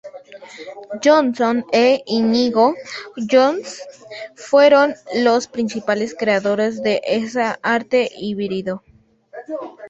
Jonson e Íñigo Jones fueron los principales creadores de ese arte híbrido.